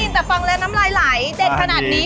แต่ฟังแล้วน้ำลายไหลเด็ดขนาดนี้